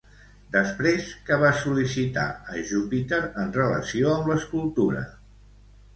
Després que va sol·licitar a Júpiter en relació amb l'escultura?